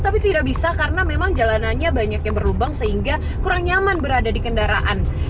tapi tidak bisa karena memang jalanannya banyak yang berlubang sehingga kurang nyaman berada di kendaraan